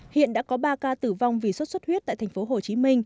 hiện đã có ba ca tử vong vì sốt xuất huyết tại tp hcm